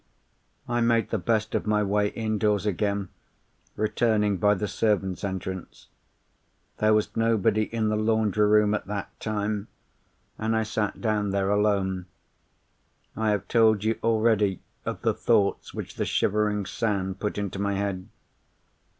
"I made the best of my way indoors again, returning by the servants' entrance. There was nobody in the laundry room at that time; and I sat down there alone. I have told you already of the thoughts which the Shivering Sand put into my head.